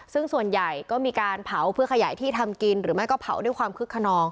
ซึ่งส่วนใหญ่ก็มีการเผาเพื่อขยายที่ทำกินหรือไม่ก็เผาด้วยความคึกขนอง